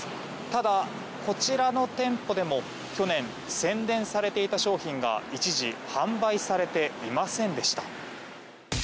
ただ、こちらの店舗でも去年、宣伝されていた商品が一時販売されていませんでした。